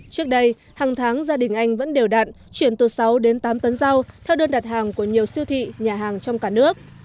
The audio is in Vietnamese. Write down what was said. trước đây hàng tháng gia đình anh vẫn đều đặn chuyển từ sáu đến tám tấn rau theo đơn đặt hàng của nhiều siêu thị nhà hàng trong cả nước